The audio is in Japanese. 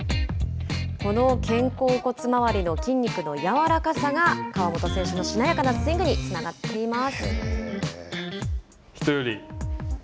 この肩甲骨まわりの筋肉の柔らかさが河本選手のしなやかなスイングにつながっています。